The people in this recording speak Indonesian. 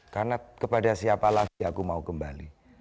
karena kepada siapalah aku mau kembali